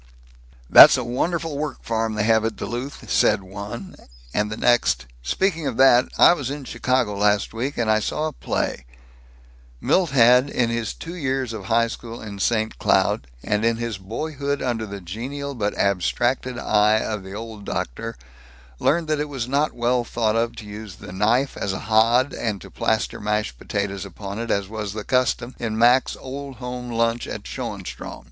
"That's a wonderful work farm they have at Duluth," said one, and the next, "speaking of that, I was in Chicago last week, and I saw a play " Milt had, in his two years of high school in St. Cloud, and in his boyhood under the genial but abstracted eye of the Old Doctor, learned that it was not well thought of to use the knife as a hod and to plaster mashed potatoes upon it, as was the custom in Mac's Old Home Lunch at Schoenstrom.